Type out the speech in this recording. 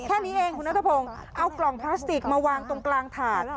แค่นี้เองคุณนัทพงศ์เอากล่องพลาสติกมาวางตรงกลางถาด